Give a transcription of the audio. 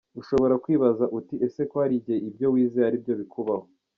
Ushobora kwibaza uti ese ko hari igihe ibyo wizeye ari byo bikubaho?.